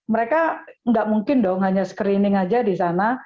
mereka nggak mungkin dong hanya screening saja di sana